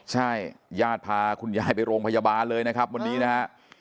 ใช่ญาติพาคุณยายไปโรงพยาบาลเลยนะครับวันนี้นะฮะ